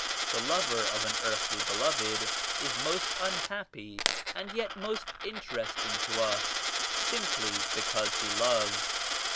The lover of an earthly be loved is most unhappy and yet most interesting to us simply because he loves.